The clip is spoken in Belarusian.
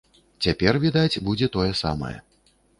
Цяпер, відаць, будзе тое самае.